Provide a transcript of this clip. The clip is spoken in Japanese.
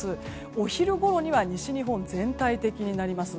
お昼ごろには西日本全体的になります。